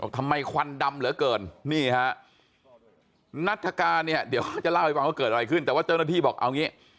ทำไมควันดำเหลือเกินนี่ฮะนัฐกาลเนี่ยเดี๋ยวเขาจะเล่าให้ฟังว่าเกิดอะไรขึ้นแต่ว่าเจ้าหน้าที่บอกเอางี้